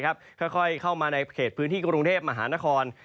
ค่อยเข้ามาในเขตพื้นที่กรุงเทพมหานคร